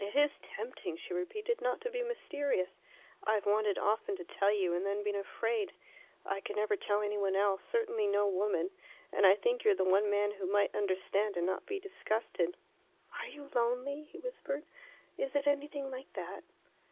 "It is tempting," she repeated, "not to be mysterious. I've wanted often to tell you, and then been afraid. I could never tell any one else, certainly no woman, and I think you're the one man who might understand and not be disgusted." "Are you lonely?" he whispered. "Is it anything like that?"